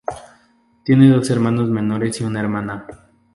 Tiene dos hermanos menores y una hermana.